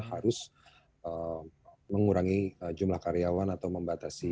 harus mengurangi jumlah karyawan atau membatasi